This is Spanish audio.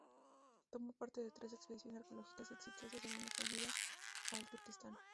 Tomó parte en tres expediciones arqueológicas exitosas y una fallida al Turquestán.